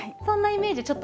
そんなイメージ。